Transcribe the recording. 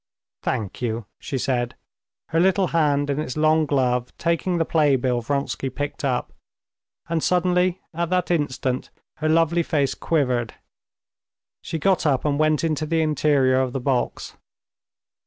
"Thank you," she said, her little hand in its long glove taking the playbill Vronsky picked up, and suddenly at that instant her lovely face quivered. She got up and went into the interior of the box.